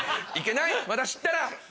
いけない私ったら。